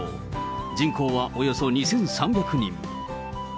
人口はおよそ２３００人。